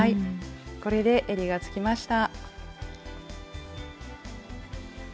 これでえりがつきました。